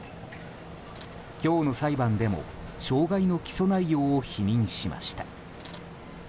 今日の裁判でも傷害の起訴内容を否認しました。